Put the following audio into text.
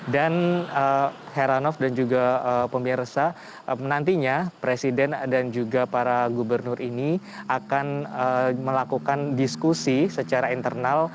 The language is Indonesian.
dan heranov dan juga pemirsa nantinya presiden dan juga para gubernur ini akan melakukan diskusi secara internal